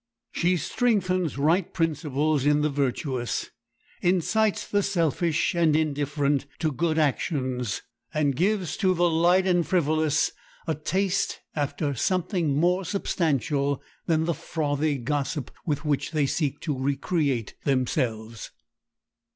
She strengthens right principles in the virtuous, incites the selfish and indifferent to good actions, and gives to the light and frivolous a taste after something more substantial than the frothy gossip with which they seek to recreate themselves.